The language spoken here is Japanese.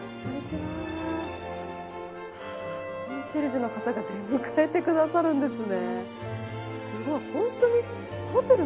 コンシェルジュの方が出迎えてくださるんですね。